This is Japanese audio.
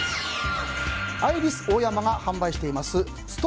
アイリスオーヤマが販売しています